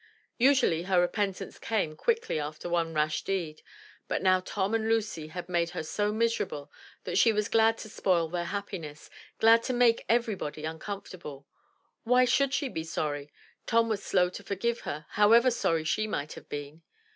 Usually her repentance came quickly after one rash deed, but now Tom and Lucy had made her so miserable, she was glad to spoil their happiness, — glad to make everybody uncomfortable. Why should she be sorry? Tom was slow to forgive her, however sorry she might have been.